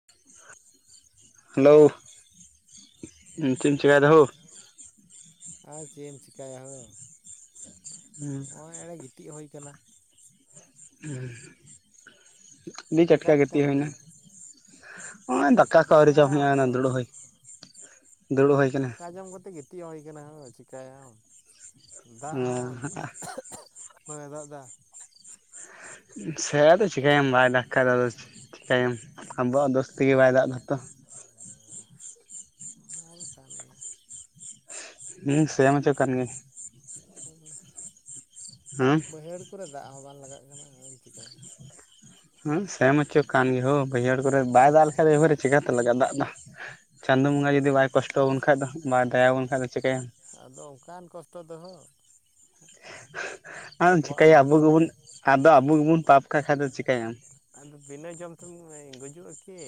[unintelligible] Hello ᱪᱮᱫᱧ ᱪᱮᱠᱟᱭ ᱫᱟ ᱦᱚ ᱟᱨ ᱪᱮᱫ ᱮᱢ ᱪᱤᱠᱟᱹᱭᱟ ᱦᱳ ᱱᱚᱜᱼᱚᱭ ᱮᱬᱮ ᱜᱤᱛᱤᱡ ᱦᱩᱭ ᱟᱠᱟᱱᱟ ᱦᱮᱸ [inaudible] ᱟᱹᱰᱤ ᱪᱟᱴᱠᱟ ᱪᱮᱠᱟᱭᱮᱫ ᱜᱟᱛᱮ ᱛᱮᱢ ᱟᱢ ᱦᱩᱭᱱᱟ ᱫᱚ ᱱᱚᱜᱚᱭ ᱰᱟᱠ ᱫᱟᱠᱟ ᱠᱚ ᱟᱣᱨᱤ ᱡᱚᱢ ᱦᱩᱭᱩ ᱪᱤᱠᱟᱭᱟᱢ ᱟ ᱦᱳ ᱱᱚᱼᱚᱭ ᱫᱩᱲᱩᱵ ᱦᱩᱭ ᱠᱟᱱᱟ ᱫᱩᱲᱩᱵ ᱦᱩᱭ ᱫᱟᱠᱟ ᱡᱚᱢ ᱠᱟᱛᱮ ᱜᱤᱛᱤᱡ ᱦᱩᱭ ᱠᱟᱱᱟ ᱦᱳ ᱪᱤᱠᱟᱭᱟᱢ ᱫᱟᱜ ᱦᱚᱸ ᱵᱟᱭ ᱫᱟᱜ ᱮᱫᱟ ᱥᱮ ᱛᱚ ᱪᱤᱠᱟᱹᱭᱟᱢ ᱵᱟᱭ ᱫᱟᱜᱠ ᱠᱷᱟᱢ ᱫᱚ ᱪᱤᱠᱟᱹᱭᱟᱢ ᱟᱵᱚᱣᱟᱜ ᱫᱳᱥ ᱛᱮᱜᱮ ᱵᱟᱭ ᱫᱟᱜ ᱫᱟᱛᱚ [inaudible] ᱚᱱᱟ ᱫᱚ ᱠᱟᱱ ᱜᱮᱭᱟ ᱦᱮᱸ ᱥᱮ ᱦᱚᱪᱚ ᱠᱟᱱ ᱜᱮ ᱦᱮᱸ [inaudible] ᱵᱟᱹᱭᱦᱟᱹᱲ ᱠᱚᱨᱮ ᱫᱟᱜ ᱦᱚᱸ ᱵᱟᱝ ᱞᱟᱜᱟᱜ ᱠᱟᱱᱟ ᱟᱫᱚᱢ ᱪᱤᱠᱟᱹᱭᱟ ᱦᱮᱸ ᱥᱮᱱ ᱦᱚᱪᱚ ᱠᱟᱱ ᱜᱮᱭᱟ ᱦᱳ ᱵᱟᱹᱭᱦᱟᱹᱲ ᱠᱚᱨᱮ ᱵᱟᱭ ᱫᱟᱜ ᱞᱮᱠᱷᱟᱡ ᱮᱭ ᱵᱟᱨᱮ ᱪᱤᱠᱟᱛᱮ ᱞᱟᱜᱟᱜᱼᱟ ᱫᱟᱜ ᱫᱚ ᱪᱟᱸᱫᱚᱳ ᱵᱚᱸᱜᱟ ᱡᱩᱫᱤ ᱵᱟᱭ ᱠᱚᱥᱴᱚ ᱟᱵᱚᱱ ᱠᱷᱟᱡ ᱫᱚ ᱵᱟᱭ ᱫᱟᱭᱟᱵᱚᱱ ᱠᱷᱟᱱ ᱫᱚ ᱪᱤᱠᱟᱹᱭᱟᱢ ᱟᱫᱚ ᱚᱱᱠᱟᱱ ᱠᱚᱥᱴᱚ ᱫᱚᱦᱳ ᱚᱱ ᱟᱢ ᱪᱤᱠᱟᱹᱭᱟ ᱟᱵᱚᱵᱚᱱ ᱟᱵᱚ ᱜᱮᱵᱚᱱ ᱟᱫᱚ ᱟᱵᱚ ᱜᱮᱵᱚᱱ ᱯᱟᱯ ᱠᱟᱜ ᱠᱷᱟᱡ ᱫᱚ ᱪᱤᱠᱟᱹᱭᱟᱢ [inaudible] ᱟᱫᱚ ᱵᱤᱱᱟᱹ ᱡᱚᱢ ᱛᱮᱢ ᱜᱩᱡᱩᱜᱼᱟ ᱠᱤ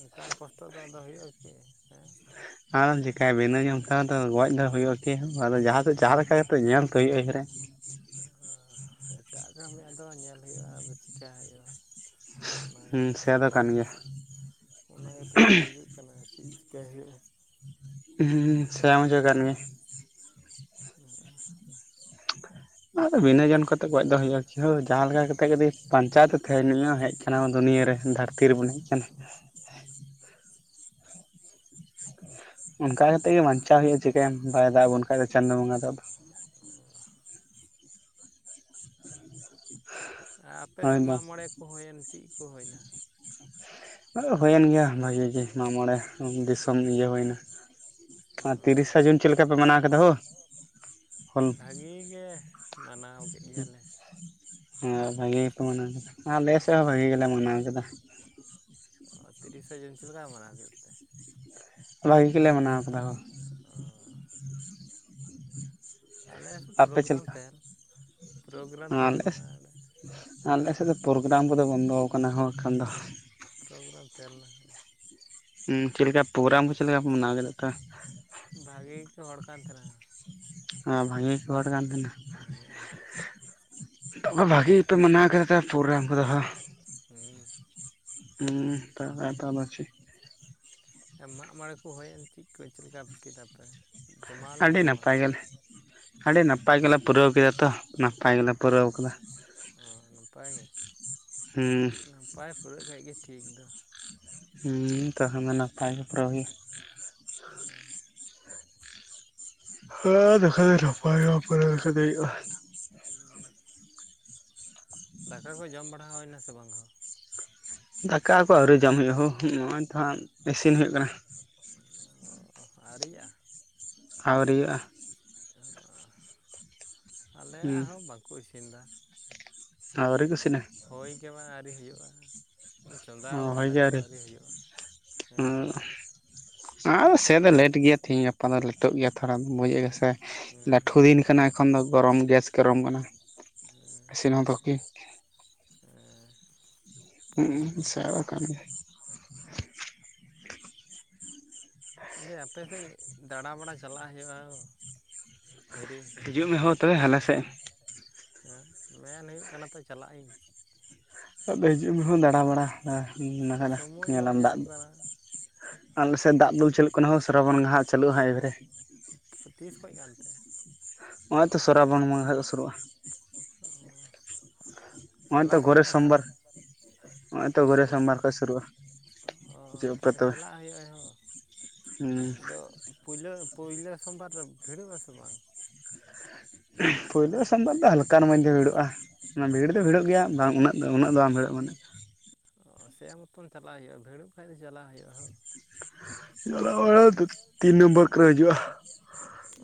ᱚᱱᱠᱟ ᱠᱚᱥᱴᱚ ᱫᱚ ᱟᱫᱚ ᱦᱩᱭᱩᱜᱼᱟ ᱠᱤ ᱦᱮᱸ ᱟᱫᱚᱢ ᱪᱮᱠᱟᱭᱟ ᱵᱮᱱᱟᱹᱧᱟ ᱚᱱᱠᱟ ᱫᱚ ᱜᱚᱡ ᱫᱚ ᱦᱩᱭᱩᱜᱼᱟ ᱠᱤ ᱟᱫᱚ ᱡᱟᱦᱟᱸ ᱡᱟᱦᱟᱸ ᱞᱮᱠᱟ ᱠᱟᱛᱮ ᱧᱮᱞᱛᱚ ᱦᱩᱭᱩᱜᱼᱟ ᱮᱭ ᱨᱮ ᱚ ᱮᱴᱟᱜ ᱠᱟᱹᱢᱤ ᱟᱫᱚ ᱧᱮᱞ ᱦᱩᱭᱩᱜᱼᱟ ᱟᱫᱚ ᱪᱤᱠᱟᱭ ᱦᱩᱭᱩᱜᱼᱟ [unintelligible] ᱚᱱᱟ ᱦᱩᱸ ᱜᱮᱛᱚ ᱥᱮ ᱫᱚ ᱵᱟᱢ ᱠᱟᱱ ᱜᱮᱭᱟ ᱵᱩᱡᱩᱜ ᱚᱱᱟ ᱜᱮᱛᱚ ᱵᱟᱝ ᱵᱩᱡᱩᱜ ᱠᱟᱱᱟ ᱪᱮᱫ ᱪᱤᱠᱟᱹᱭ ᱦᱩᱭᱩᱜᱼᱟ ᱦᱮᱸ [unintelligible] [inaudible] ᱟᱨ ᱵᱤᱱᱟᱹ ᱡᱚᱱ ᱠᱟᱛᱮᱜ ᱜᱚᱡ ᱫᱚ ᱦᱩᱭᱩᱜᱭᱳᱼᱟ ᱡᱟᱦᱟᱸ ᱞᱮᱠᱟ ᱠᱟᱛᱮ ᱡᱤ ᱵᱟ. ᱧᱪᱟᱭ ᱛᱚ ᱛᱟᱦᱮᱱ ᱦᱮᱡ ᱠᱟᱱᱟ ᱫᱩᱱᱭᱟᱹᱨᱮ ᱫᱷᱟᱹᱨᱛᱤ ᱨᱮᱵᱚᱱ ᱦᱮᱡ ᱟᱠᱟᱱᱟ ᱚᱱᱠᱟ ᱠᱟ ᱠᱟᱛᱮᱜ ᱜᱮ ᱵᱟᱧᱪᱟᱣ ᱦᱩᱭᱩᱜᱭᱼᱟ ᱪᱤᱠᱟᱭᱟ ᱵᱟᱭ ᱫᱟᱜ ᱵᱚᱱ ᱠᱷᱟᱡ ᱫᱚ ᱪᱟᱸᱫᱚᱳ ᱵᱚᱸᱜᱟ ᱫᱟᱜ ᱫᱚ [unintelligible] ᱟᱨ ᱦᱳᱭ ᱟᱯᱮᱥᱮᱫ ᱫᱚ ᱢᱟᱜ ᱢᱚᱬᱮ ᱠᱚ ᱦᱩᱭᱮᱱ ᱪᱮᱫ ᱠᱚ ᱦᱩᱭᱱᱟ ᱦᱩᱭᱮᱱ ᱜᱮᱭᱟ ᱵᱷᱟᱹᱜᱤ ᱜᱮ ᱢᱟᱜᱢᱚᱬᱮ ᱫᱤᱥᱚᱢ ᱤᱭᱟᱹ ᱦᱩᱭᱱᱟ ᱚ ᱟᱨ ᱛᱤᱨᱤᱥᱟ ᱡᱩᱱ ᱪᱮᱫ ᱞᱮᱠᱟ ᱯᱮ ᱢᱟᱱᱟᱣ ᱠᱮᱫᱟ ᱦᱳ ᱦᱩᱞ ᱵᱷᱟᱹᱜᱤ ᱜᱮ ᱢᱟᱱᱟᱣ ᱠᱮᱫ ᱜᱮᱭᱟᱞᱮ [inaudible] ᱟᱨᱮᱸ ᱵᱷᱟᱜᱤ ᱜᱮᱯᱮ ᱢᱟᱱᱟᱣ ᱠᱮᱫᱟ ᱟᱞᱮ ᱥᱮᱫ ᱦᱚᱸ ᱵᱷᱟᱜᱤ ᱜᱮᱞᱮ ᱢᱟᱱᱟᱣ ᱠᱮᱫᱟ ᱚ ᱛᱤᱨᱤᱥᱟ ᱡᱩᱱ ᱪᱮᱫ ᱞᱮᱠᱟ ᱢᱟᱱᱟᱣ ᱠᱮᱫ ᱛᱮ ᱵᱷᱟᱹᱜᱤ ᱜᱮᱞᱮ ᱢᱟᱱᱟᱣ ᱠᱟᱫᱟ ᱦᱳ [inaudible] ᱟᱞᱮ ᱥᱮᱫ ᱟᱯᱮ ᱪᱮᱫ ᱯᱨᱳᱜᱨᱟᱢ ᱞᱮᱠᱟ? ᱛᱮᱱ ᱯᱨᱳᱜᱨᱟᱢ ᱟᱞᱮ ᱛᱟᱦᱮᱸ ᱞᱮᱱᱟ ᱚᱸᱰᱮ᱾ ᱟᱞᱮ ᱥᱮᱫ ᱫᱚ ᱯᱨᱳᱜᱨᱟᱢ ᱠᱚᱫᱚ ᱵᱚᱱᱫᱚ ᱟᱠᱟᱱᱟ ᱮᱠᱷᱚᱱ ᱫᱚ ᱯᱨᱳᱜᱨᱟᱢ ᱛᱟᱦᱮᱸ ᱞᱮᱱᱟ ᱦᱚᱸ ᱦᱮᱸ ᱪᱮᱫ ᱞᱮᱠᱟ ᱯᱨᱳᱜᱨᱟᱢ ᱠᱚ ᱪᱮᱫ ᱞᱮᱠᱟ ᱠᱚ ᱢᱟᱱᱟᱣ [unintelligible] ᱵᱷᱟᱜᱤ ᱜᱮᱠᱚ ᱦᱚᱲ ᱠᱟᱱ ᱛᱟᱦᱮᱱᱟ ᱮ ᱵᱷᱟᱜᱤ ᱜᱮᱠᱷᱚ ᱦᱚᱲ ᱠᱟᱱ ᱛᱟᱦᱮᱱᱟ [inaudible] ᱛᱚᱵᱮ ᱵᱷᱟᱜᱤ ᱜᱮᱯᱮ ᱢᱟᱱᱟᱣ ᱠᱮᱫᱟ ᱯᱨᱳᱜᱨᱟᱢ ᱠᱚᱫᱚ ᱦᱩᱸ ᱦᱩᱸ ᱫᱟᱜ ᱫᱚ ᱟᱫᱚ ᱪᱮᱫ ᱦᱮᱸ ᱢᱟᱜ ᱢᱚᱬᱮ ᱠᱚ ᱪᱮᱫ ᱠᱚ ᱪᱮᱫ ᱞᱮᱠᱟ ᱠᱮᱫᱟᱯᱮ ᱟᱹᱰᱤ ᱱᱟᱯᱟᱭ ᱜᱮᱞᱮ ᱟᱹᱰᱤ ᱱᱟᱯᱟᱭ ᱜᱮᱞᱮ ᱯᱩᱨᱟᱹᱣ ᱠᱮᱫᱟ ᱛᱚ ᱱᱟᱯᱟᱭ ᱜᱮᱞᱮ ᱯᱩᱨᱟᱹᱣ ᱠᱮᱫᱟ ᱚ ᱱᱟᱯᱟᱭ ᱜᱮ ᱦᱩᱸᱻ ᱱᱟᱯᱟᱭ ᱯᱩᱨᱟᱹᱜ ᱠᱷᱟᱡ ᱜᱮ ᱴᱷᱤᱠ ᱫᱚ᱾ ᱦᱩᱸ ᱛᱚᱠᱷᱚᱱ ᱫᱚ ᱱᱟᱯᱟᱭ ᱜᱮ ᱯᱩᱨᱟ. ᱣ ᱦᱩᱭᱩᱜᱼᱟ ᱚᱸ ᱦᱮᱸ ᱫᱮᱠᱷᱟᱡᱟᱭ [unintelligible] ᱜᱮ ᱦᱩᱭᱩᱜᱼᱟ᱾ ᱩᱸ ᱫᱟᱠᱟ ᱠᱚ ᱡᱚᱢ ᱵᱟᱲᱟ ᱦᱩᱭᱱᱟ ᱥᱮ ᱵᱟᱝ ᱦᱳ? ᱫᱟᱠᱟ ᱠᱚ ᱟᱹᱣᱨᱤᱩ ᱡᱚᱢ ᱦᱩᱭᱩᱜᱼᱟ ᱦᱳ ᱱᱚᱜᱼᱚᱭ ᱛᱚ ᱦᱟᱸᱜ ᱤᱥᱤᱱ ᱦᱩᱭᱩᱜ ᱠᱟᱱᱟ ᱚᱻ ᱟᱣᱨᱤᱭᱟᱜᱼᱟ? ᱟᱹᱣᱨᱤᱭᱟᱜᱼᱟ᱾ ᱟ ᱦᱩᱸ ᱟᱞᱮᱭᱟᱜ ᱦᱚᱸ ᱵᱟᱠᱚ ᱤᱥᱤᱱ ᱫᱟ᱾ ᱟᱣᱨᱤ ᱠᱚ ᱤᱥᱤᱱᱟ ᱦᱳᱭ ᱜᱮ ᱵᱟᱝ ᱟᱹᱣᱨᱤ ᱦᱩᱭᱩᱜᱼᱟ, ᱪᱚᱸᱫᱟ ᱦᱳᱭ ᱠᱟᱫᱟ ᱜᱮ ᱠᱚ ᱟᱹᱣᱨᱤ ᱟᱹᱨᱤ ᱦᱩᱭᱩᱜᱼᱟ ᱦᱮᱸ᱾ ᱟᱫᱚ ᱥᱮ ᱫᱚ ᱞᱮᱴ ᱜᱮᱭᱟ ᱛᱮᱦᱮᱧ ᱜᱟᱯᱟ ᱫᱚ ᱞᱮᱴᱚᱜ ᱜᱮᱭᱟ ᱛᱚ ᱛᱷᱚᱲᱟ ᱵᱩᱭ ᱟᱭᱩ ᱥᱮ ᱦᱮᱸ ᱞᱟᱹᱴᱷᱩ ᱦᱮᱸ ᱫᱤᱱ ᱠᱟᱱᱟ᱾ ᱮᱚᱠᱷᱚᱱ ᱫᱚ ᱜᱚᱨᱚᱢ ᱜᱮᱥ ᱜᱚᱨᱚᱢ ᱠᱟᱱᱟ ᱤᱥᱤᱱ ᱦᱚᱫᱚᱜᱼᱟ ᱠᱤ? ᱮᱸ ᱦᱩᱸ ᱥᱟᱲ ᱟᱠᱟᱱ ᱜᱮ ᱫᱤᱭᱮ ᱟᱯᱮᱥᱮᱫ ᱫᱟᱬᱟᱵᱟᱲᱟ ᱪᱟᱞᱟᱜ ᱦᱩᱭᱩᱜᱼᱟ ᱦᱤᱨᱤ ᱦᱤᱡᱩᱜ ᱢᱮ ᱦᱳ ᱛᱚᱵᱮ ᱦᱟᱞᱮ ᱥᱮᱜ᱾ ᱟᱸ ᱢᱮᱱ ᱦᱩᱭᱩᱜ ᱠᱟᱱᱟ ᱛᱚ ᱪᱟᱞᱟᱜ ᱤᱧ᱾ ᱟᱫᱚ ᱦᱤᱡᱩᱜ ᱢᱮ ᱦᱳ ᱫᱟᱬᱟ ᱵᱟᱟᱲ ᱱᱟᱦ ᱱᱟᱠᱟᱫᱟ ᱥᱚᱢᱚᱭ ᱜᱮ ᱵᱟᱭ ᱧᱮᱞᱟᱢ ᱫᱟᱜ ᱧᱟᱢᱚᱜ ᱫᱚ᱾ ᱠᱟᱱᱟ ᱟᱞᱮ ᱥᱮᱫ ᱫᱟᱜ ᱫᱩᱞ ᱪᱟᱹᱞᱩᱜ ᱠᱟᱱᱟ ᱦᱳ ᱥᱨᱟᱵᱚᱱ ᱜᱮ ᱦᱟᱸᱜ ᱪᱟ. ᱞᱩᱜᱼᱟ ᱦᱟᱸᱜ ᱮᱵᱟᱨᱮ᱾ ᱛᱤᱥ ᱠᱷᱚᱡ ᱠᱟᱱᱛᱮ? ᱱᱚᱜᱼᱚᱭ ᱛᱚ ᱥᱚᱨᱟᱵᱚᱱ ᱵᱚᱸᱜᱟ ᱠᱷᱟᱡ ᱜᱮ ᱥᱩᱨᱩᱜᱼᱟ᱾ ᱚ [unintelligible] ᱱᱚᱜᱼᱚᱭ ᱪᱟᱞᱟᱜ ᱛᱚ ᱜᱳᱨᱮ ᱦᱩᱭᱩᱜᱼᱟ ᱥᱳᱢᱵᱟᱨ ᱛᱟᱦᱞᱮ᱾ ᱱᱚᱜᱼᱚᱭ ᱛᱚ ᱜᱳᱨᱮ ᱪᱟᱞᱟᱜ ᱥᱳᱢᱵᱟᱨ ᱠᱷᱚᱡ ᱥᱩᱨᱩᱜᱼᱟ ᱚ ᱦᱤᱡᱩᱜ ᱯᱮ ᱛᱟᱦᱞᱮ ᱛᱚᱵᱮ ᱪᱟᱞᱟᱜ ᱦᱩᱭᱩᱜᱼᱟ ᱦᱳ᱾ ᱟᱫᱚ ᱯᱳᱭᱞᱳ ᱯᱳᱭᱞᱳ ᱥᱳᱢ ᱵᱟᱨ ᱨᱮ ᱵᱷᱤᱲᱚᱜᱼᱟ ᱥᱮ ᱵᱟᱝ? ᱯᱳᱭᱞᱳ ᱥᱟᱢ ᱵᱟᱨ ᱫᱚ ᱦᱟᱞᱠᱟᱨ ᱢᱳᱫᱫᱷᱮ ᱵᱷᱤᱲᱚᱜᱼᱟ ᱚᱱᱟ ᱚ ᱵᱷᱤᱲ ᱫᱚ ᱵᱷᱤᱲᱚᱜ ᱜᱮᱭᱟ ᱵᱟᱝ ᱩᱱᱟᱹᱜ ᱫᱚ ᱩᱱᱟᱹᱜ ᱫᱚ ᱵᱟᱝ ᱵᱷᱤᱲᱚᱜ ᱢᱟᱱᱮ ᱚ ᱥᱮ ᱢᱚᱛᱚᱱ ᱪᱟᱞᱟᱣ ᱦᱩᱭᱩᱜᱼᱟ, ᱵᱷᱤᱲᱚᱜ ᱠᱷᱟᱡ ᱫᱚ ᱪᱟᱞᱟᱜ ᱦᱩᱭᱩᱜᱼᱟ ᱦᱳ᱾ ᱪᱟᱞᱟᱣ ᱫᱚ ᱛᱤᱱ ᱱᱚᱢᱵᱚᱨ ᱠᱚᱨᱮ ᱦᱤᱡᱩᱜᱼᱟ᱾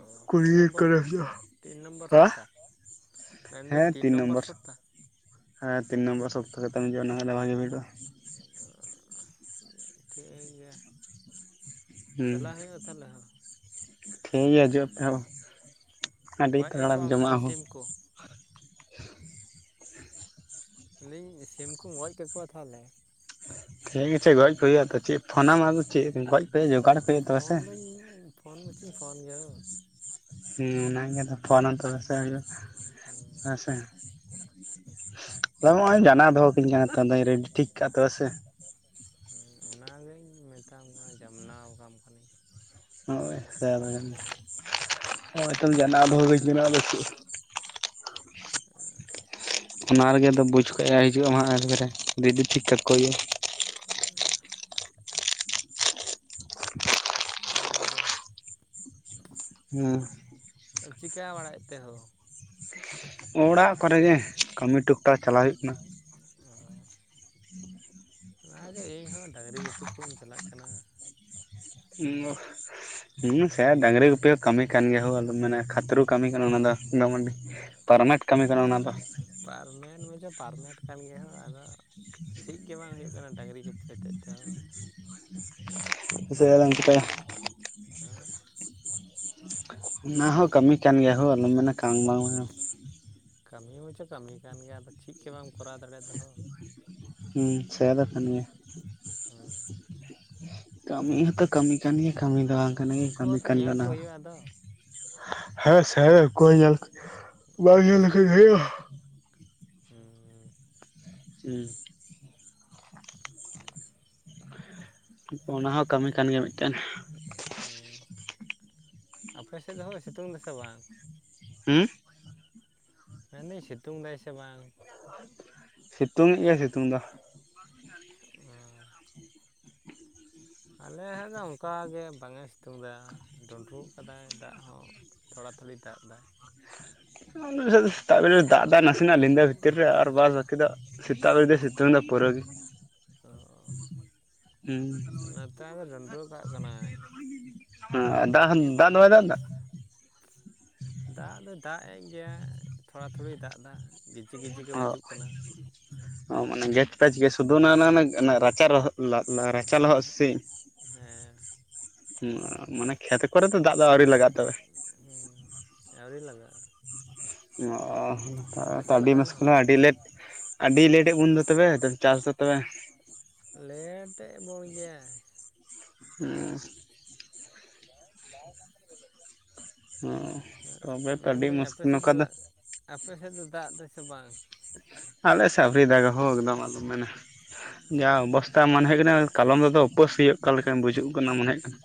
ᱚ ᱠᱩᱲᱤ ᱛᱤᱱ ᱱᱚᱢᱵᱚᱨ ᱠᱚᱨᱮ ᱠᱚ ᱦᱩᱭᱩᱜᱼᱟ ᱛᱤᱱ ᱱᱚᱢᱵᱚᱨ ᱦᱟ ᱥᱚᱯᱛᱟ ᱢᱮᱱᱫᱟᱹᱧ ᱛᱤᱱ ᱱᱚᱢᱵᱚᱨ ᱥᱚᱯᱛᱟ? ᱦᱮᱸ ᱛᱤᱱ ᱱᱚᱢᱵᱚᱨ ᱥᱚᱯᱛᱟ ᱠᱚᱛᱮᱢ ᱦᱤᱡᱩᱜᱼᱟ, ᱚᱱᱟ ᱠᱷᱟᱡ ᱫᱚ ᱵᱷᱟᱜᱤ ᱵᱷᱤᱲᱚᱜᱼᱟ᱾ ᱚ ᱴᱷᱤᱠ ᱜᱮᱭᱟ, ᱦᱩᱸ ᱪᱟᱞᱟᱜ ᱦᱩᱭᱩᱜᱼᱟ ᱛᱟᱦᱚᱞᱮ ᱦᱳ᱾ ᱴᱷᱤᱠ ᱜᱮᱭᱟ ᱦᱤᱡᱩᱜ ᱟᱯᱮ ᱦᱳ ᱟᱹᱰᱤ ᱜᱚᱡ ᱛᱟᱜᱲᱟ ᱠᱟᱠᱚᱣᱟᱢ ᱡᱚᱢᱟᱜᱼᱟ ᱚᱱᱮ ᱦᱳ᱾ ᱥᱤᱢ ᱠᱚ ᱟᱹᱞᱤᱧ ᱥᱤᱢᱠᱩᱢ ᱜᱚᱡ ᱠᱮ ᱠᱚᱣᱟ ᱛᱟᱦᱚᱞᱮ ᱴᱷᱤᱠ ᱟᱪᱷᱮ ᱜᱚᱡ ᱠᱚ ᱦᱩᱭᱩᱜᱼᱟ ᱟᱫᱚ ᱪᱮᱫ ᱯᱷᱳᱱᱟᱢ ᱟᱫᱚ ᱪᱮᱫ ᱜᱚᱡ ᱠᱚ ᱦᱩᱭᱩᱜᱼᱟ ᱡᱚᱜᱟᱲ ᱠᱚ ᱦᱩᱭᱩᱜᱼᱟ ᱛᱚᱵᱮ ᱯᱷᱚᱱ ᱥᱮ ᱫᱚᱧ ᱯᱷᱚᱱ ᱢᱟᱪᱚᱧ ᱯᱷᱚᱱ ᱜᱮᱭᱟ ᱦᱳ᱾ ᱦᱮᱸ ᱚᱱᱟᱜᱮ ᱟᱫᱚ ᱯᱷᱳᱱ ᱦᱚᱸᱛᱚ ᱵᱮᱵᱚᱥᱛᱟ ᱦᱮᱸ ᱦᱩᱭᱩᱜ-ᱟ ᱦᱮᱸᱥᱮ ᱟᱨ ᱱᱚᱜᱼᱚᱭ ᱡᱟᱱᱟᱣ ᱫᱚᱦᱚ ᱠᱤᱧ ᱠᱟᱱᱟ ᱛᱚ ᱨᱮᱰᱤ ᱴᱷᱤᱠ ᱠᱟᱜᱼᱟ ᱛᱚ ᱥᱮ ᱦᱮᱸ ᱚᱱᱟᱜᱤᱧ ᱢᱮᱛᱟᱢ ᱠᱟᱱᱟ ᱡᱟᱢᱱᱟᱣ ᱠᱟᱢ ᱠᱟᱹᱱᱤᱧ ᱦᱚᱜᱼᱚᱭ ᱥᱨᱟᱵᱚᱱ ᱜᱮ ᱦᱟᱜᱼᱚᱭ ᱛᱚᱢ ᱦᱮᱸ ᱡᱟᱱᱟᱣ ᱫᱚᱦᱚ ᱟᱹᱧ ᱠᱟᱱᱟ ᱟᱫᱚ ᱪᱮᱫ ᱮ [unintelligible] ᱚᱱᱟ ᱨᱮᱜᱮ ᱫᱚ ᱵᱩᱡᱽ ᱠᱚᱭᱟ ᱦᱤᱡᱩᱜ ᱟᱢ ᱦᱟᱸᱜ ᱮᱠᱵᱟᱨᱮ ᱨᱮ ᱫᱤᱫᱤ ᱴᱷᱤᱠ ᱠᱟᱠᱚ ᱦᱩᱭᱩᱜᱼᱟ᱾ [inaudible] ᱚᱱᱟ ᱜᱮ ᱦᱩᱸ ᱾ ᱪᱤᱠᱟᱹ ᱵᱟᱲᱟᱭᱮᱫ ᱛᱮ ᱦᱳ ᱚᱲᱟᱜ ᱠᱚᱨᱮ ᱜᱮ ᱠᱟᱹᱢᱤ ᱴᱩᱠᱴᱟᱠ ᱪᱟᱞᱟᱣ ᱦᱩᱭᱩᱜ ᱠᱟᱱᱟ ᱾ ᱚ ᱚᱱᱟᱜᱮ ᱤᱧ ᱦᱚᱸ ᱰᱟᱹᱝᱨᱤ ᱜᱩᱯᱤ ᱠᱚᱧ ᱪᱟᱞᱟᱜ ᱠᱟᱱᱟ ᱾ ᱦᱩᱸ ᱚ ᱾ ᱦᱩᱸ ᱥᱮ ᱰᱟᱝᱨᱤ ᱜᱩᱯᱤ ᱦᱚᱸ ᱠᱟᱹᱢᱤ ᱠᱟᱱ ᱜᱮᱭᱟ ᱦᱳ ᱟᱫᱚᱢ ᱢᱮᱱᱟ ᱠᱷᱟᱛᱨᱩ ᱠᱟᱹᱢᱤ ᱠᱟᱱᱟ ᱚᱱᱟ ᱫᱚ ᱫᱚᱢᱰᱤ ᱯᱟᱨᱢᱟᱱᱮᱱᱴ ᱠᱟᱹᱢᱤ ᱠᱟᱱᱟ ᱚᱱᱟ ᱫᱚ ᱾ ᱯᱟᱨᱢᱮᱱᱴ ᱢᱮᱱ ᱫᱚ ᱯᱟᱨᱢᱮᱱᱴ ᱠᱟᱱ ᱜᱮᱭᱟ ᱦᱳ ᱟᱫᱚ ᱪᱮ ᱜᱮ ᱵᱟᱝ ᱦᱩᱭᱩᱜ ᱠᱟᱱᱟ ᱰᱟᱹᱝᱨᱤ ᱜᱩᱯᱤ ᱦᱚᱛᱮ ᱛᱮᱦᱚᱸ ᱾ ᱥᱮ ᱟᱫᱚᱢ ᱪᱤᱠᱟᱹᱭᱟ ᱦᱮᱸ ᱾ ᱚᱱᱟ ᱦᱚᱸ ᱠᱟᱹᱢᱤ ᱠᱟᱱ ᱜᱮᱭᱟ ᱦᱳ ᱟᱞᱚᱢ ᱢᱮᱱᱟ ᱠᱟᱢᱤ ᱵᱟᱝ ᱠᱟᱱᱟ ᱠᱟᱹᱢᱤ ᱢᱟᱪᱷᱚ ᱠᱟᱹᱢᱤ ᱠᱟᱱ ᱜᱮᱭᱟ ᱟᱫᱚ ᱪᱮ ᱜᱮ ᱵᱟᱢ ᱠᱚᱨᱟᱣ ᱫᱟᱲᱮ ᱫᱚ ᱦᱳ ᱦᱩᱸ ᱥᱮ ᱟᱫᱚ ᱠᱟᱱ ᱜᱮᱭᱟ ᱾ ᱦᱮᱸ ᱾ ᱠᱟᱹᱢᱤ ᱦᱚᱸᱛᱚ ᱠᱟᱹᱢᱤ ᱠᱟᱱ ᱜᱮᱭᱟ ᱠᱟᱹᱢᱤ ᱫᱚ ᱵᱟᱝ ᱠᱟᱱᱟ ᱜᱮ ᱩᱱᱠᱩ ᱠᱟᱹᱢᱤ ᱦᱚᱸᱛᱚ ᱠᱟᱱ ᱜᱮᱭᱟ ᱧᱮᱞ ᱚᱱᱟ ᱠᱚ ᱦᱚᱸ ᱾ ᱦᱩᱭᱩᱜᱼᱟ ᱟᱫᱚ ᱦᱮᱸ ᱥᱮ ᱚᱠᱚᱭ ᱧᱮᱞ ᱵᱟᱝ ᱧᱮᱞ ᱞᱮᱠᱷᱟᱱ ᱦᱩᱭᱩᱜᱼᱟ ᱾ ᱦᱩᱸ ᱦᱩᱸ ᱾ ᱚᱱᱟ ᱦᱚᱸ ᱠᱟᱹᱢᱤ ᱠᱟᱱ ᱜᱮᱭᱟ ᱢᱤᱫᱴᱟᱱ ᱾ ᱦᱩᱸ ᱟᱯᱮ ᱥᱮᱫ ᱫᱚ ᱦᱳᱭ ᱥᱤᱛᱩᱝ ᱫᱟ ᱥᱮ ᱵᱟᱝ? ᱦᱩᱸ ᱢᱮᱱᱫᱟᱧ ᱥᱤᱛᱩᱝ ᱫᱟᱭ ᱥᱮ ᱵᱟᱝ? ᱥᱤᱛᱩᱝ ᱮᱫ ᱜᱮᱭᱟ ᱥᱤᱛᱩᱝ ᱫᱚ ᱟᱸ ᱟᱞᱮ ᱫᱚ ᱚᱱᱠᱟᱜ ᱜᱮ ᱵᱟᱝᱮ ᱥᱤᱛᱩᱝ ᱮᱫᱟ ᱰᱩᱸᱰᱨᱩᱜ ᱟᱠᱟᱫᱟᱭ ᱫᱟᱜ ᱦᱚᱸ ᱛᱷᱚᱲᱟ ᱛᱷᱚᱲᱤ ᱫᱟᱜ ᱮᱫᱟ ᱚᱱᱟ ᱜᱮ ᱥᱮᱛᱟᱜ ᱵᱮᱨ ᱫᱟᱜ ᱫᱟ ᱱᱟᱥᱮ ᱱᱟᱜ ᱧᱤᱫᱟᱹ ᱵᱷᱤᱛᱤᱨ ᱨᱮ ᱟᱨ ᱵᱟᱫ ᱵᱟᱹᱠᱤ ᱫᱚ ᱥᱮᱛᱟᱜ ᱵᱮᱨ ᱫᱚ ᱥᱤᱛᱩᱝ ᱫᱟ ᱯᱩᱨᱟᱹ ᱜᱮ ᱾ ᱛᱚ ᱾ ᱦᱩᱸ ᱾ ᱱᱮᱛᱟᱨ ᱫᱚ ᱰᱚᱸᱰᱨᱩ ᱠᱟᱜ ᱠᱟᱱᱟᱭ ᱾ ᱦᱮᱸᱫᱟᱜ ᱦᱚᱸ ᱫᱟᱜ ᱫᱚ ᱵᱟᱭ ᱫᱟᱜ ᱫᱟ ᱫᱟᱜ ᱫᱚᱭ ᱫᱟᱜ ᱮᱫ ᱜᱮᱭᱟ ᱛᱷᱚᱲᱟ ᱛᱷᱩᱲᱤᱭ ᱫᱟᱜ ᱫᱟ ᱚ ᱚ ᱢᱟᱱᱮ ᱜᱮᱪ ᱯᱮᱪ ᱜᱮ ᱥᱩᱫᱩ ᱚᱱᱟ ᱚᱱᱟ ᱨᱟᱪᱟ ᱨᱚᱦ ᱨᱟᱪᱟ ᱞᱚᱦᱚᱜ ᱥᱮ ᱦᱮᱸ ᱢᱟᱱᱮ ᱠᱷᱮᱛ ᱠᱚᱨᱮ ᱫᱚ ᱫᱟᱜ ᱫᱚ ᱟᱹᱣᱨᱤ ᱞᱟᱜᱟ ᱛᱚᱵᱮ ᱦᱩᱸ ᱟᱹᱣᱨᱤ ᱞᱟᱜᱟᱜᱼᱟ ᱟᱯᱮ ᱚ ᱥᱮᱫ ᱟᱹᱰᱤ ᱞᱟᱜᱟᱣᱱᱟ ᱦᱚᱸ ᱢᱩᱥᱠᱤᱞᱟ ᱟᱹᱰᱤ ᱞᱮᱴ, ᱟᱹᱰᱤ ᱞᱮᱴᱜ ᱵᱚᱱ ᱫᱚ ᱛᱚᱵᱮ ᱪᱟᱥ ᱫᱚ ᱛᱚᱵᱮ ᱞᱮᱴᱮᱫ ᱮᱫ ᱵᱚᱱ ᱜᱮᱭᱟᱭ᱾ ᱦᱩᱸ ᱾ ᱚ ᱢᱮᱱᱫᱟ ᱞᱤᱧ ᱟᱯᱮ ᱥᱮᱫ ᱫᱚ ᱞᱟᱹᱜ ᱟᱯᱮ ᱥᱮᱫ ᱫᱚ ᱫᱟᱜ ᱫᱟᱭ ᱥᱮ ᱵᱟᱝ? ᱟᱞᱮ ᱥᱮ ᱟᱹᱣᱨᱤ ᱫᱟᱜ ᱜᱟᱭ ᱦᱚᱸ ᱮᱠᱫᱚᱢ ᱟᱞᱚᱢ ᱢᱮᱱᱟ ᱾ ᱡᱟ ᱚᱵᱚᱥᱛᱟ ᱢᱚᱱᱮ ᱦᱩᱭᱩᱜ ᱠᱟᱱᱟ ᱠᱟᱞᱚᱢ ᱛᱮᱫᱚ ᱩᱯᱟᱹᱥ ᱦᱩᱭᱩᱜ ᱞᱮᱠᱟ ᱵᱩᱡᱩᱜ ᱠᱟᱱᱟ ᱢᱚᱱᱮ ᱦᱩᱭᱩᱜ ᱠᱟᱱᱟ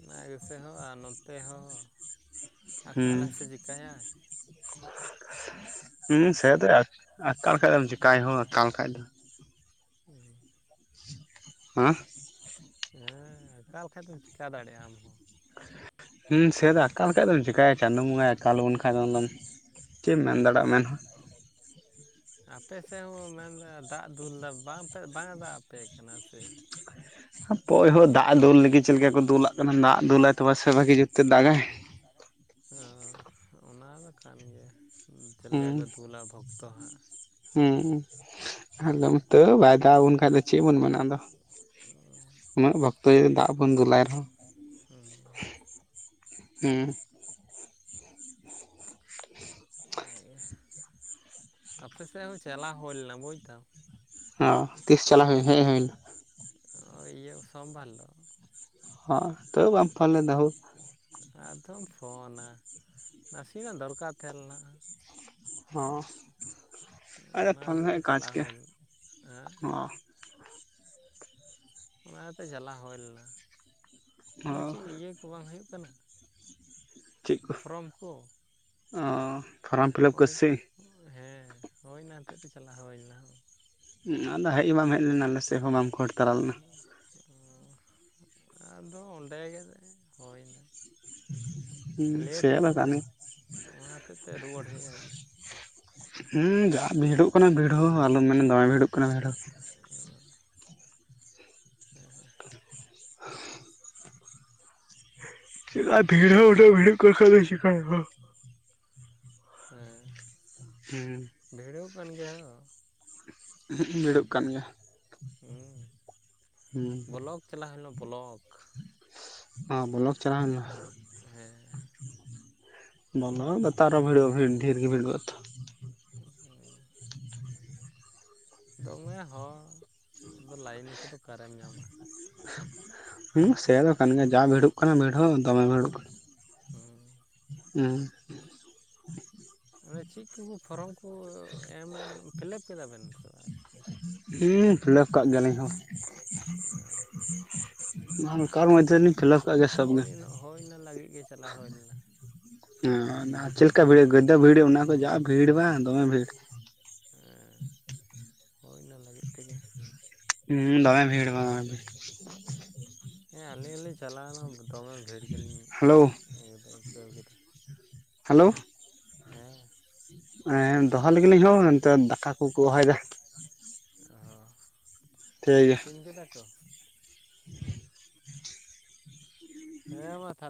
ᱚᱱᱟ ᱜᱮᱥᱮ ᱦᱳ ᱟᱨ ᱱᱚᱛᱮ ᱦᱚᱸ ᱦᱩᱸ ᱟᱠᱟᱞᱟᱭ ᱥᱮ ᱪᱤᱠᱟᱭᱟᱭ ᱦᱩᱸ ᱥᱮᱛᱚ ᱟᱠᱟᱞ ᱠᱷᱟᱡ ᱫᱚᱢ ᱪᱮᱠᱟᱭᱟᱢ ᱦᱳ ᱟᱠᱟᱞ ᱠᱷᱟᱡᱽ ᱫᱚ ᱾ ᱦᱩᱸ ᱦᱮᱸ ᱦᱮᱸ ᱟᱠᱟᱞ ᱠᱷᱟᱡ ᱫᱚᱢ ᱪᱮᱠᱟ ᱫᱟᱲᱮᱭᱟᱜᱼᱟ ᱟᱢ ᱦᱚᱸ ᱥᱮᱫ ᱟᱠᱟᱠᱟᱞ ᱞᱮᱠᱟᱱᱡ ᱫᱚᱢ ᱪᱮᱠᱟᱭᱟ ᱪᱟᱸᱫᱳ ᱵᱚᱸᱜᱟᱭ ᱟᱠᱟᱞ ᱞᱮᱚᱱ ᱠᱷᱟᱱ ᱫᱚᱢ ᱪᱮᱫ ᱮᱢ ᱢᱮᱱ ᱦᱩᱸ ᱫᱟᱲᱮᱭᱟᱜᱼᱟ ᱢᱮᱱ ᱢᱮ ᱟᱯᱮ ᱥᱮᱫ ᱦᱚᱸ ᱢᱮᱱᱫᱟ ᱫᱟᱜ ᱫᱩᱞᱫᱟ ᱵᱟᱝᱯᱮ ᱵᱟᱝ ᱮ ᱫᱟᱜ ᱟᱯᱮ ᱠᱟᱱᱟ ᱥᱮ ᱦᱟᱯᱳᱭ ᱦᱳ ᱫᱟᱜ ᱫᱩᱞ ᱞᱟᱹᱜᱤᱫ ᱪᱮᱫ ᱞᱮᱠᱟ ᱠᱚ ᱫᱩᱞᱟᱜ ᱠᱟᱱᱟ ᱫᱟᱜ ᱫᱩᱞᱟᱭ ᱛᱚᱵᱮ ᱥᱮ ᱵᱷᱟᱜᱤ ᱡᱩᱛ ᱛᱮ ᱫᱟᱜᱟᱭ ᱦᱮᱸ ᱚᱱᱟ ᱫᱚ ᱠᱟᱱ ᱜᱮᱭᱟ ᱪᱮᱫ ᱦᱩᱸ ᱞᱮᱠᱟ ᱠᱚ ᱫᱩᱞᱟ ᱵᱷᱚᱠ ᱛᱚ ᱦᱟᱸᱜ ᱦᱩᱸ ᱟᱞᱚᱢ ᱛᱮ ᱵᱟᱭ ᱫᱟᱜ ᱟᱵᱚᱱ ᱠᱷᱟᱱ ᱫᱚ ᱪᱮᱫ ᱵᱚᱱ ᱢᱟᱱᱟ ᱟᱫᱚ, ᱩᱱᱟᱹᱜ ᱵᱷᱚᱠᱛᱚ ᱡᱩᱫᱤ ᱫᱟᱜ ᱵᱚᱱ ᱫᱩᱞᱟᱭ ᱨᱮᱦᱚᱸ [unintelligible] ᱦᱩᱸ ᱚᱱᱟᱜᱮ ᱟᱯᱮ ᱥᱮᱫ ᱦᱚᱸ ᱪᱟᱞᱟᱣ ᱦᱩᱭ ᱞᱮᱱᱟ ᱵᱩᱡᱽ ᱫᱟᱢ᱾ ᱚ ᱛᱤᱥ ᱪᱟᱞᱟᱜ ᱦᱩᱭ ᱦᱮᱡ ᱦᱩᱭ ᱮᱱᱟ ᱚ, ᱤᱭᱟᱹ ᱥᱳᱢᱵᱟᱨ ᱦᱤᱞᱳᱜ [unintelligible] ᱯᱷᱳᱱ ᱞᱮᱫᱟ ᱦᱳᱻ ᱟᱫᱚᱢ ᱯᱷᱳᱱᱟ ᱱᱟᱥᱮᱱᱟᱜ ᱫᱚᱨᱠᱟᱨ ᱛᱟᱦᱮᱸ ᱞᱮᱱᱟ ᱾ ᱦᱚᱸ ᱚᱱᱟ ᱦᱚᱛᱮᱡ ᱛᱮ ᱪᱟᱞᱟᱣ ᱠᱮᱭᱟ ᱦᱩᱭᱮᱱ ᱦᱮᱸ ᱚ ᱚᱱᱟ ᱤᱭᱟᱹᱛᱮ ᱪᱟᱞᱟᱣ ᱦᱩᱭ ᱞᱮᱱᱟ ᱚ ᱢᱟᱱᱮ ᱪᱮᱫ ᱤᱭᱟᱹ ᱠᱚ ᱵᱟᱝ ᱦᱩᱭᱩᱜ ᱠᱟᱱᱟ᱾ ᱪᱮᱫ ᱠᱚ ᱯᱷᱨᱚᱢ ᱠᱚ ᱚ ᱯᱷᱚᱨᱚᱢ ᱯᱷᱤᱞᱟᱯ ᱠᱚ‌ ᱦᱳᱭ ᱥᱮ ᱪᱮᱫ ᱦᱮᱸ ᱦᱳᱭ ᱚᱱᱟ ᱦᱚᱛᱮᱡ ᱛᱮ ᱪᱟᱞᱟᱜ ᱦᱩᱭ ᱞᱮᱱᱟ᱾ ᱟᱫᱚ ᱦᱮᱡ ᱦᱚᱸ ᱵᱟᱢ ᱦᱮᱡ ᱞᱮᱱᱟ ᱟᱞᱮ ᱥᱮᱡ ᱦᱚᱸ ᱵᱟᱢ ᱠᱷᱳᱲ ᱚ ᱟᱫᱚ ᱚᱸᱱᱰᱮ ᱜᱮ ᱦᱩᱭᱱᱟ ᱦᱩᱸ ᱾ ᱥᱮ ᱞᱮᱴᱮᱱᱟ ᱵᱟᱠᱷᱟᱱ ᱵᱟᱝ ᱚᱱᱟ ᱦᱚᱛᱮᱡ ᱛᱮ ᱨᱩᱣᱟᱹᱲ ᱦᱮᱡ ᱦᱩᱭ ᱮᱱᱟ᱾ ᱦᱮᱸ ᱡᱟ ᱵᱷᱤᱲᱚᱜ ᱠᱟᱱᱟ ᱵᱷᱤᱲ ᱦᱚᱸ ᱟᱞᱚᱢ ᱢᱮᱱᱟ ᱫᱚᱢᱮ ᱵᱷᱤᱲᱚᱜ ᱠᱟᱱᱟ ᱵᱷᱤᱲ ᱦᱚᱸ᱾ ᱩᱸ ᱦᱮᱸ [inaudible] ᱟᱨ ᱵᱷᱤᱲ ᱦᱚᱸ ᱩᱱᱟᱹᱜ ᱵᱷᱤᱲᱚᱜ ᱠᱟᱱ ᱠᱷᱟᱡ ᱫᱚᱢ ᱪᱮᱠᱟᱭᱟ ᱦᱮᱸ ᱮ ᱦᱩᱸ ᱵᱷᱤᱲᱟᱹᱣ ᱠᱟᱱ ᱜᱮᱭᱟ᱾ ᱵᱷᱤᱲᱚᱜ ᱠᱟᱱ ᱜᱮᱭᱟ᱾ ᱦᱩᱸ ᱦᱩᱸ ᱵᱚᱞᱚᱠ ᱪᱟᱞᱟᱣ ᱦᱩᱭᱞᱮᱱᱟ ᱵᱞᱚᱠ ᱚ, ᱵᱚᱞᱚᱠ ᱪᱟᱞᱟᱣ ᱞᱮᱱᱟ ᱦᱮᱸ ᱵᱚᱞᱚ ᱫᱚᱛᱟᱨᱚ ᱵᱷᱤᱲᱚᱜᱼᱟ ᱰᱷᱮᱨ ᱜᱮ ᱵᱷᱤᱲᱚᱜ-ᱟ ᱛᱚ [unintelligible] ᱫᱚᱢᱮ ᱦᱚᱲ ᱟᱫᱚ ᱞᱟᱭᱤᱱ ᱠᱚᱫᱚ ᱚᱠᱟᱨᱮᱢ ᱧᱟᱢᱟ ᱾ ᱦᱩᱸ, ᱥᱮ ᱫᱚ ᱠᱟᱱ ᱜᱮᱭᱟ ᱡᱟ ᱵᱷᱤᱲᱚᱜ ᱠᱟᱱᱟ ᱵᱷᱤᱲ ᱦᱚᱸ ᱫᱚᱢᱮ ᱵᱷᱤᱲᱚᱜ ᱠᱟᱱᱟ᱾ ᱦᱩᱸ [unintelligible] ᱚᱱᱮ ᱪᱮᱫ ᱠᱚ ᱯᱷᱚᱨᱚᱢ ᱠᱚ ᱮᱢᱮᱱ ᱯᱷᱤᱞᱟᱯ ᱠᱮᱫᱟ ᱵᱮᱱ ᱥᱮ ᱟᱣᱨᱤ ᱦᱩᱸ ᱯᱷᱤᱞᱟᱹᱯ ᱠᱟᱜ ᱜᱮᱭᱟᱞᱤᱧ ᱟᱞᱤᱧ ᱟᱹᱣᱨᱤ ᱦᱚᱸ [unintelligible] ᱜᱮ ᱦᱳᱭ ᱤᱱᱟᱹ, ᱦᱳᱭ ᱤᱱᱟᱹ ᱞᱟᱹᱜᱤᱫ ᱜᱮ ᱪᱟᱞᱟᱣ ᱦᱩᱭ ᱞᱮᱱᱟ᱾ ᱟᱨ ᱪᱮᱫ ᱞᱮᱠᱟ ᱵᱷᱤᱲ ᱜᱟᱹᱭᱫᱚᱟᱹ ᱵᱷᱤᱲ ᱚᱱᱟ ᱠᱚ ᱡᱟ ᱵᱷᱤᱲ ᱵᱟᱝ ᱫᱚᱢᱮ ᱵᱷᱤᱲ ᱾ ᱦᱮᱸ ᱦᱳᱭ ᱚᱱᱟᱹ ᱞᱟᱹᱜᱤᱫ ᱛᱮᱜᱮ ᱦᱩᱸ ᱫᱚᱢᱮ ᱵᱷᱤᱲ ᱵᱟ ᱦᱮᱸ ᱟᱹᱞᱤᱼᱞᱤ ᱪᱟᱞᱟᱣᱱᱟ ᱫᱚᱢᱮ ᱵᱷᱤᱲ ᱜᱮᱞᱤᱧ ᱦᱮᱞᱳ ᱟᱹᱫᱼᱟᱹᱭᱠᱟᱹᱣ ᱠᱮᱫᱟ ᱦᱟᱞᱳ ᱦᱮᱸ ᱮᱸ ᱫᱚᱦᱚ ᱞᱟᱹᱜᱤ ᱞᱤᱝ ᱦᱚᱸ ᱛᱚ ᱫᱟᱠᱟ ᱠᱚᱠᱚ ᱦᱚᱦᱚᱭᱫᱟ ᱴᱷᱤᱠ ᱚ ᱜᱮᱭᱟ ᱤᱥᱤᱱ ᱠᱮᱫᱟ ᱠᱚ [unintelligible] ᱦᱮᱸ ᱢᱟ ᱛᱟᱞᱦᱮ